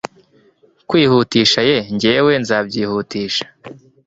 kwihutisha ye jyewe nzabyihutisha